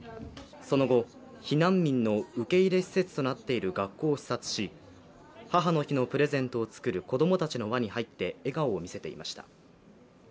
その後、避難民の受け入れ施設となっている学校を視察し母の日のプレゼントを作る子供たちの輪に入って笑顔を見せていました。